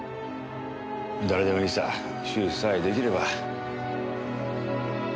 誰でもいいさ手術さえ出来れば。